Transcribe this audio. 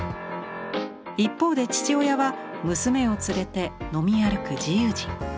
一方で父親は娘を連れて飲み歩く自由人。